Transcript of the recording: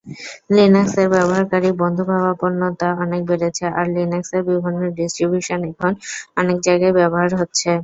লিনাক্সের ব্যবহারকারী-বন্ধুভাবাপন্নতা অনেক বেড়েছে, আর লিনাক্সের বিভিন্ন ডিস্ট্রিবিউশন এখন অনেক জায়গায় ব্যবহার হচ্ছে।